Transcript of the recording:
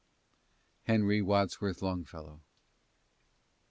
HENRY WADSWORTH LONGFELLOW.